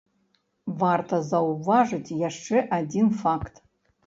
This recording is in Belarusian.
Варта заўважыць яшчэ адзін факт.